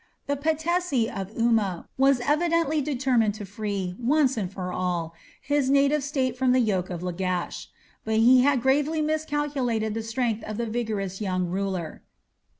The Patesi of Umma was evidently determined to free, once and for all, his native state from the yoke of Lagash. But he had gravely miscalculated the strength of the vigorous young ruler.